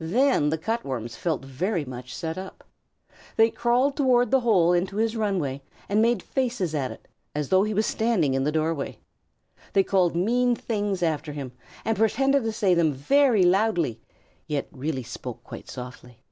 Then the Cut Worms felt very much set up. They crawled toward the hole into his run way and made faces at it, as though he were standing in the doorway. They called mean things after him and pretended to say them very loudly, yet really spoke quite softly.